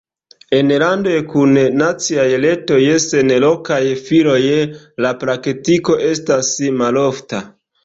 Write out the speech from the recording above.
En landoj kun naciaj retoj sen lokaj filioj la praktiko estas malofta.